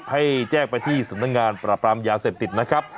ให้แจ้งไปที่สำนักงานปราบรามยาเสพติดนะครับ